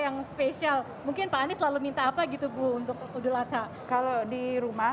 yang spesial mungkin pak anies selalu minta apa gitu bu untuk adha kalau di rumah